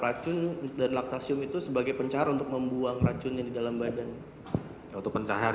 racun dan laksasium itu sebagai pencahar untuk membuang racunnya di dalam badan untuk pencahar